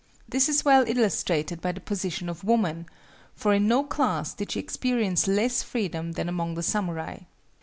This is well illustrated by the position of woman; for in no class did she experience less freedom than among the samurai.